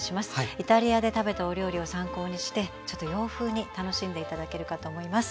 イタリアで食べたお料理を参考にしてちょっと洋風に楽しんで頂けるかと思います。